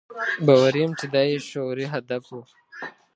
باوري یم چې دا یې شعوري هدف و.